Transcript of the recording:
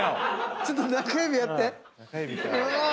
ちょっと中指やって。